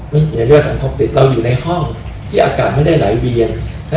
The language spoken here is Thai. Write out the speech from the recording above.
ไม่มีเลือดสังคมติดเราอยู่ในห้องที่อากาศไม่ได้ไหลเวียน